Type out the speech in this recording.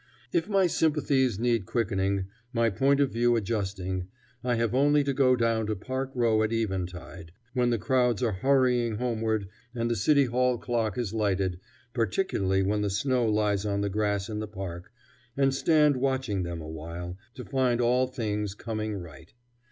If my sympathies need quickening, my point of view adjusting, I have only to go down to Park Row at eventide, when the crowds are hurrying homeward and the City Hall clock is lighted, particularly when the snow lies on the grass in the park, and stand watching them awhile, to find all things coming right.